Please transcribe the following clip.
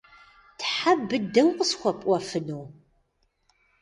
Тхьэ быдэу къысхуэпӀуэфыну?